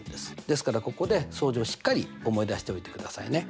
ですからここで相似をしっかり思い出しておいてくださいね。